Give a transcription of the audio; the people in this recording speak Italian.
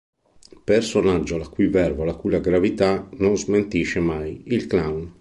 Personaggio la cui verve o la cui gravità non smentisce mai: il Clown.